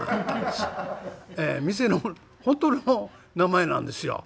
ええ店の本当の名前なんですよ。